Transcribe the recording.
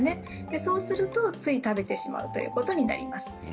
そうすると、つい食べてしまうということになります。